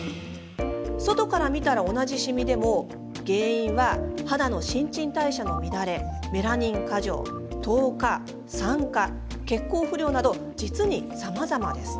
外から見たら同じシミでも原因は、肌の新陳代謝の乱れメラニン過剰、糖化、酸化血行不良など、実にさまざまです。